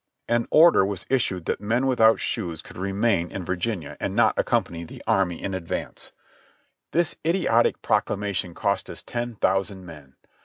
An order was issued that men without shoes could remain in t8 274 JOHNNY REB AND BIIvI^Y YANK Virginia and not accompany the army in advance. This idiotic proclamation cost us ten thousand men.